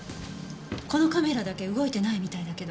このカメラだけ動いてないみたいだけど。